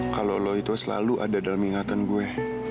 kalau lo itu selalu ada dalam ingatan gue